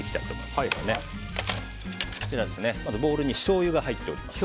まずボウルにしょうゆが入っております。